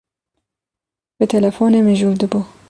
Bi telefonê mijûl dibû.